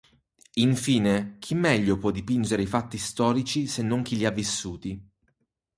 Infine, chi meglio può dipingere i fatti storici se non chi li ha vissuti?